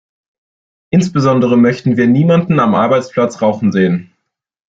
Insbesondere möchten wir niemanden am Arbeitsplatz rauchen sehen.